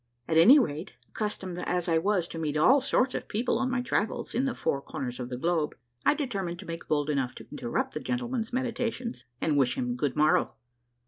At any rate, accustomed as I was to meet all sorts of people on my travels in the four corners of the globe, I determined to make bold enough to interrupt the gentleman's meditations and wish him good morrow.